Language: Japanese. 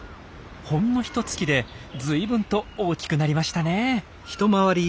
ほんのひと月で随分と大きくなりましたね。